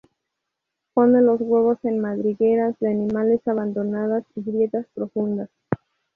Pone los huevos en madrigueras de animales abandonadas y grietas profundas.